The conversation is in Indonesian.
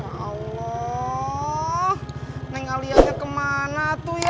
masya allah neng alianya kemana tuh ya